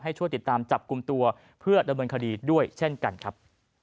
ช่วยติดตามจับกลุ่มตัวเพื่อดำเนินคดีด้วยเช่นกันครับ